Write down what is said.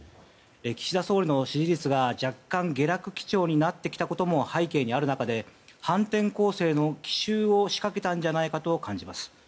岸田総理の支持率が若干下落基調になってきたことも背景にある中で反転攻勢の奇襲を仕掛けたんじゃないかと感じます。